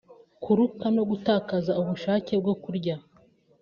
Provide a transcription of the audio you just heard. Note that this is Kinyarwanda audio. kuruka no gutakaza ubushake bwo kurya